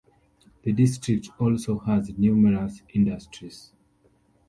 The district also has numerous industries.